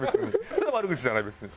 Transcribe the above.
それは悪口じゃない別に。